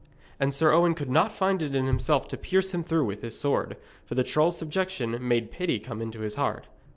And Sir Owen could not find it in himself to pierce him through with his sword, for the troll's subjection made pity come into his heart.